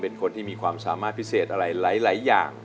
เป็นคนที่มีความสามารถพิเศษอะไรหลายอย่าง